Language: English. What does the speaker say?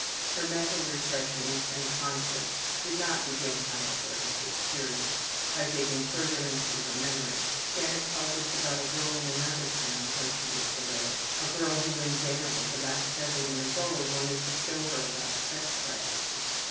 Her mental repressions and conflicts did not begin, however, at this period. By digging further into her memory Janet tells us about a girl in another town where they used to live, a girl who, when Janet was about 7 years old, wanted to show her about sex practices.